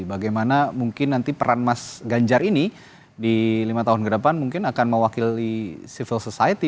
bagaimana mungkin nanti peran mas ganjar ini di lima tahun ke depan mungkin akan mewakili civil society